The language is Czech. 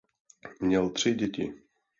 Měl tři děti.